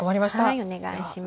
はいお願いします。